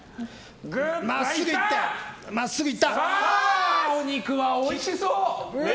さあ、お肉はおいしそう！